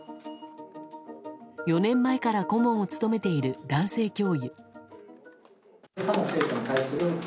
４年前から顧問を務めている男性教諭。